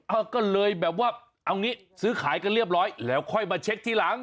ก็เลยแบบว่าเอางี้ซื้อขายกันเรียบร้อยแล้วค่อยมาเช็คทีหลัง